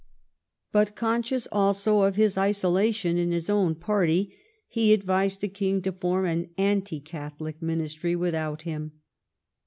But conscious also of his isolation in his own party, he advised the King to form an Anti Catholic Ministry without him.''